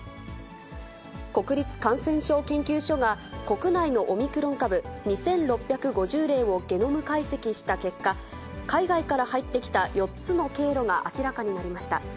国立感染症研究所が、国内のオミクロン株２６５０例をゲノム解析した結果、海外から入ってきた４つの経路が明らかになりました。